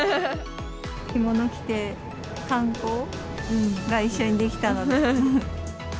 着物着て、観光が一緒に出来たので。